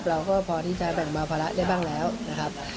เราก็พอที่จะแบ่งเบาภาระได้บ้างแล้วนะครับ